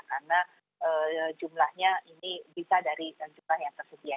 karena jumlahnya ini bisa dari jumlah yang tersedia